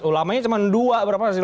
ulama nya cuma dua berapa masjid